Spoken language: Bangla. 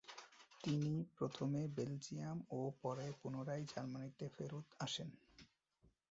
তিনি প্রথমে বেলজিয়াম ও পরে পুনরায় জার্মানিতে ফেরত আসেন।